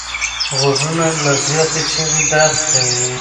غوږونه له زیاتې چیغې درد کوي